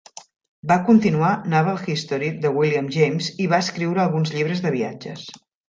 Va continuar "Naval History" de William James i va escriure alguns llibres de viatges.